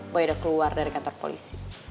bayi udah keluar dari kantor polisi